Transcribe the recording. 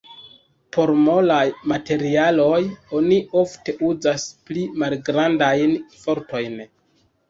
Por molaj materialoj oni ofte uzas pli malgrandajn fortojn.